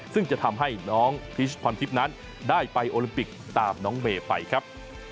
ซึ่งจะทำให้น้องพิชพรทิพย์นั้นได้ไปโอลิมปิกตามน้องเมย์ไปครับ